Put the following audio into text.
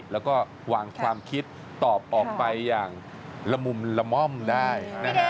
แล้วก็วางความคิดตอบออกไปอย่างละมุมละม่อมได้